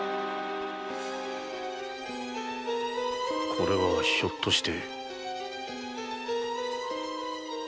これはひょっとして